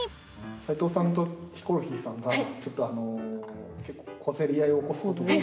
齊藤さんとヒコロヒーさんがちょっと結構小競り合いを起こす事が多いので。